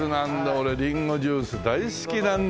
俺リンゴジュース大好きなんだよ